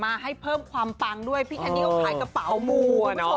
มาให้เพิ่มความปังด้วยพี่แคนดี้เอาถ่ายกระเป๋ามู